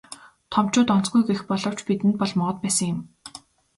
Томчууд онцгүй гэх боловч бидэнд бол моод байсан юм.